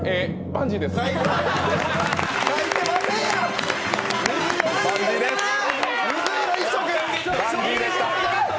バンジーでした。